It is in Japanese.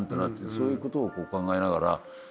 そういうことを考えながら。